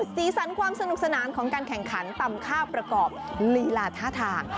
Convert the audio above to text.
สีสันความสนุกสนานของการแข่งขันตำข้าวประกอบลีลาท่าทาง